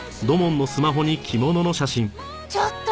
ちょっと！